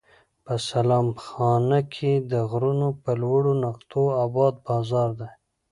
په سلام خانه کې د غرونو پر لوړو نقطو اباد بازار دی.